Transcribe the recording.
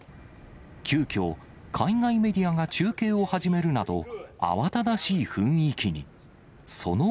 急きょ、海外メディアが中継を始めるなど、慌ただしい雰囲気に。